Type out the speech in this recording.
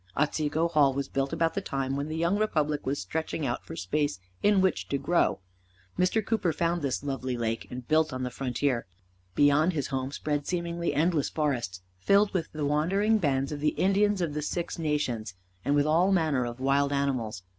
Otsego Hall was built about the time when the young republic was stretching out for space in which to grow. Mr. Cooper found this lovely lake, and built on the frontier. Beyond his home spread seemingly endless forests, filled with the wandering bands of the Indians of the Six Nations, and with all manner of wild animals.